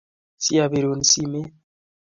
Siyabirun simet